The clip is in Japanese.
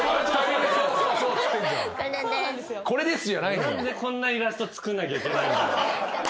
何でこんなイラスト作んなきゃいけない。